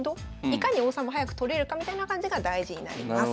いかに王様早く取れるかみたいな感じが大事になります。